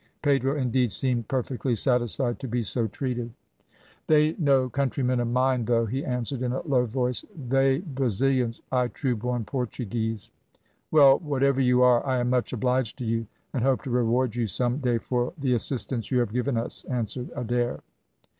Pedro, indeed, seemed perfectly satisfied to be so treated. "They no countrymen of mine, though," he answered, in a low voice, "they Brazilians, I true born Portuguese." "Well, whatever you are, I am much obliged to you, and hope to reward you some day for the assistance you have given us," answered Adair.